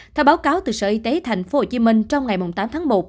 theo báo cáo từ sở y tế thành phố hồ chí minh trong ngày tám tháng một